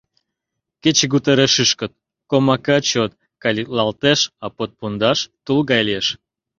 Кечыгут эре шӱшкыт, комака чот калитлалтеш, а под пундаш тул гай лиеш.